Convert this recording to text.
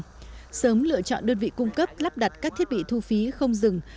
tổng cục đường bộ việt nam sớm lựa chọn đơn vị cung cấp lắp đặt các thiết bị thu phí không dừng